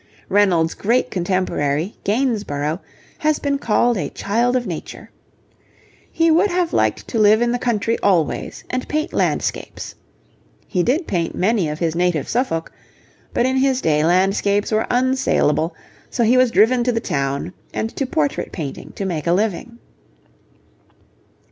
Reynolds' great contemporary, Gainsborough, has been called 'a child of nature.' He would have liked to live in the country always and paint landscapes. He did paint many of his native Suffolk, but in his day landscapes were unsaleable, so he was driven to the town and to portrait painting to make a living.